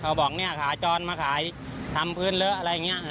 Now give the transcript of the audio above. เขาบอกเนี่ยขาจรมาขายทำพื้นเลอะอะไรอย่างนี้